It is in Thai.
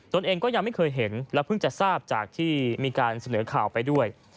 ตัวเองก็ยังไม่เคยเห็นและเพิ่งจะทราบจากที่มีการเสนอข่าวไปด้วย